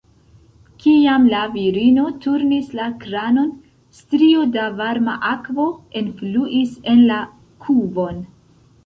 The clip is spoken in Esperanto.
Kiam la virino turnis la kranon, strio da varma akvo enfluis en la kuvon.